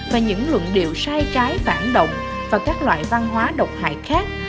và những luận điệu sai trái phản động và các loại văn hóa độc hại khác